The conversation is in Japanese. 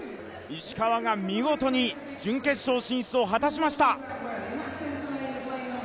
石川が見事に準決勝進出を果たしました。